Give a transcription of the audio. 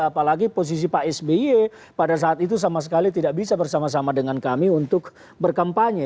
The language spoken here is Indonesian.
apalagi posisi pak sby pada saat itu sama sekali tidak bisa bersama sama dengan kami untuk berkampanye